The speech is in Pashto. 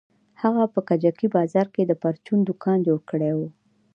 هغه په کجکي بازار کښې د پرچون دوکان جوړ کړى و.